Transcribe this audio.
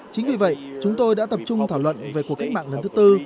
chính vì vậy chúng tôi đã tập trung thảo luận về cuộc cách mạng lần thứ tư